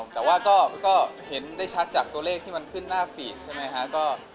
แต่ว่าก็เห็นได้ชัดจากตัวเลขที่มันขึ้นหน้าฟีดใช่ไหมครับ